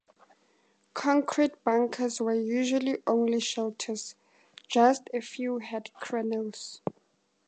Concrete bunkers were usually only shelters; just a few had crenels.